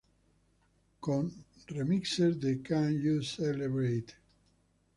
Con remixes de "Can You Celebrate?